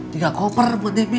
tiga koper buat debbie